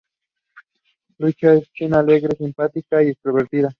Luchia es una chica muy alegre, simpática y extrovertida.